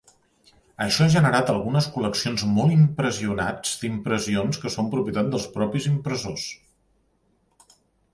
Això ha generat algunes col·leccions molt impressionats d"impressions que són propietat dels propis impressors.